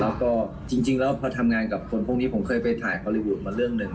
แล้วก็จริงแล้วพอทำงานกับคนพวกนี้ผมเคยไปถ่ายฮอลลีวูดมาเรื่องหนึ่ง